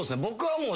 僕は。